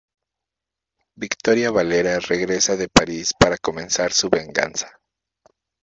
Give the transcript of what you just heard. Victoria Valera regresa de París para comenzar su venganza.